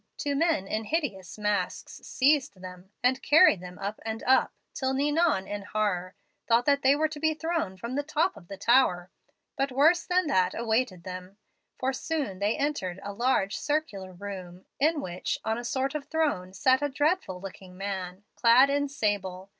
Two men in hideous masks seized them, and carried them up and up, till Ninon, in horror, thought that they were to be thrown from the top of the tower. But worse than that awaited them; for soon they entered a large circular room, in which, on a sort of throne, sat a dreadful looking man, clad in sable.